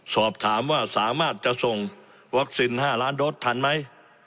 สอบถามว่าสามารถจะส่งวัคซีน๕ล้านโดสทันไหม